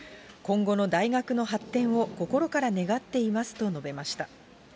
今後の大学の発展を心から願っていますと述べました。